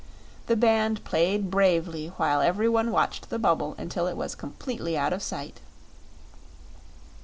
The band played bravely while every one watched the bubble until it was completely out of sight.